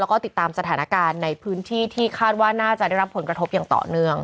แล้วก็ติดตามสถานการณ์ในพื้นที่ที่คาดว่าน่าจะได้รับผลกระทบอย่างต่อเนื่อง